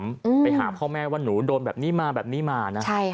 ไปหาพ่อแม่ว่านุโดนแบบนี้มาแบบนี้มา